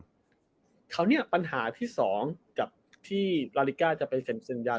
เพราะวันนี้ปัญหาที่สองกับที่ทราลิกาจะไปเซุเซ็นร์แยร์